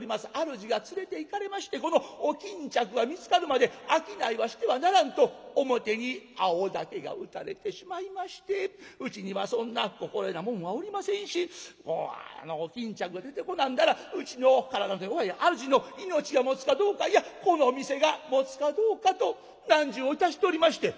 主が連れていかれましてこのお巾着が見つかるまで商いはしてはならんと表に青竹が打たれてしまいましてうちにはそんな心得な者はおりませんしもうあのお巾着が出てこなんだらうちの体の弱い主の命がもつかどうかいやこの店がもつかどうかと難事をいたしておりまして」。